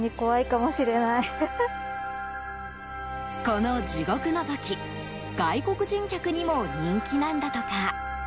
この地獄のぞき外国人客にも人気なんだとか。